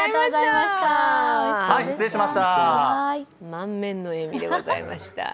満面の笑みでございました。